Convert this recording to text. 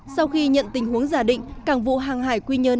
sau khi nhận tình huống giả định cảng vụ hàng hải quy nhơn